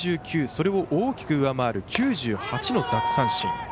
それを大きく上回る９８の奪三振。